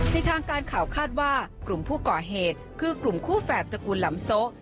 ทางการข่าวคาดว่ากลุ่มผู้ก่อเหตุคือกลุ่มคู่แฝดตระกูลหลำโซะ